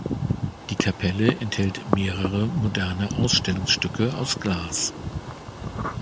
Die Kapelle enthält mehrere moderne Ausstattungsstücke aus Glas.